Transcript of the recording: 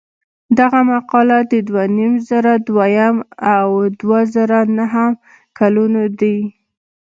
دغه مقالې د دوه زره دویم او دوه زره نهم کلونو دي.